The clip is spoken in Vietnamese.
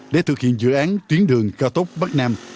để thực hiện dự án tuyến đường cao tốc bắc nam